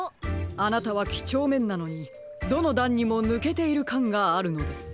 あなたはきちょうめんなのにどのだんにもぬけているかんがあるのです。